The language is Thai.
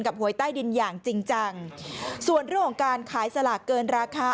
หวยใต้ดินอย่างจริงจังส่วนเรื่องของการขายสลากเกินราคา